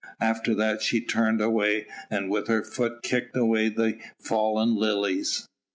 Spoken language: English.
After that she turned away, and with her foot kicked away the fallen lilies.